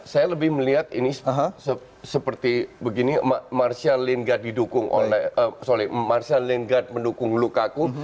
saya lebih melihat ini seperti begini martial lingard mendukung lukaku